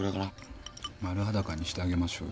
丸裸にしてあげましょうよ。